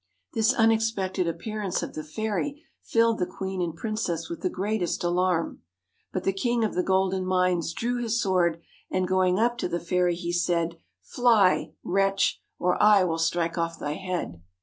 This unexpected appearance of the fairy filled the queen and princess with the greatest alarm. But the King of the Golden Mines drew his sword, and going up to the fairy, he said, ' Fly, wretch ! or I will strike off thy head.'